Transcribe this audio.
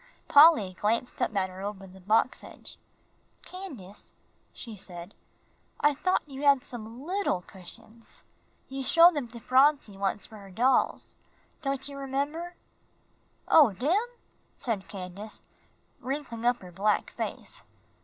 Polly glanced up at her over the box edge. "Candace," she said, "I thought you had some little cushions. You showed them to Phronsie once for her dolls, don't you remember?" "Oh, dem?" said Candace, wrinkling up her black face.